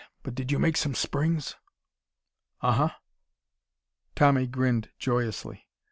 But did you make some springs?" "Uh huh!" Tommy grinned joyously.